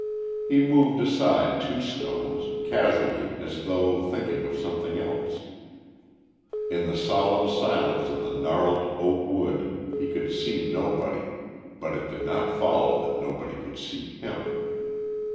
He moved aside two stones, casually as though thinking of something else. In the solemn silence of the gnarled oak wood he could see nobody, but it did not follow that nobody could see him.